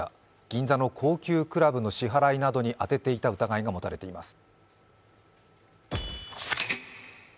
銀座の高級クラブの支払いなどに充てていた疑いが持たれています。